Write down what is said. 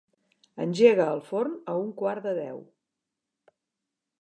Engega el forn a un quart de deu.